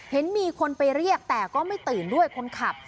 เห็นมีคนไปเรียกแต่ก็ไม่ตื่นด้วยคนขับ